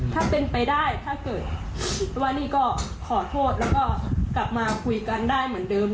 ถ้าเป็นไปได้ถ้าเกิดว่านี่ก็ขอโทษแล้วก็กลับมาคุยกันได้เหมือนเดิม